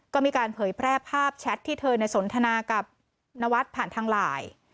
ก็มีการเผยแพร่ภาพแชทที่เธอสนทนากับนวัดผ่านทางไลน์